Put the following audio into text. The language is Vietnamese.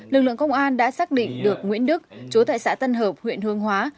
lực lượng công an đã xác định được nguyễn đức chú tại xã tân hợp huyện hương hóa